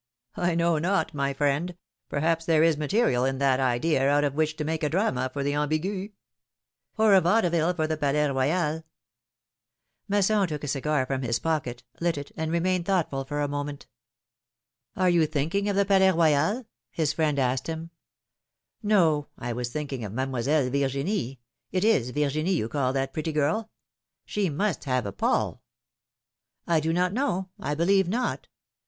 I know not, my friend ; perhaps there is material in that idea out of which to make a drama for the Ambigu —" ^^Or a vaudeville for the Palais Royal !" Masson took a cigar from his pocket, lit it, and remained thoughtful a moment. ^^Are you thinking of the Palais Royal?" his friend asked him. ^^No, I was thinking of Mademoiselle Virginie — it is Virginie you call that pretty girl? She must have a Paul?" do not know; I believe not.